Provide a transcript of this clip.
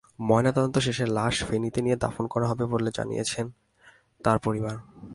ময়নাতদন্ত শেষে লাশ ফেনীতে নিয়ে দাফন করা হবে বলে জানিয়েছে তাঁর পরিবার।